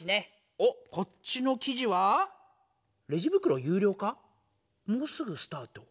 おっこっちの記事は「レジぶくろ有料化もうすぐスタート」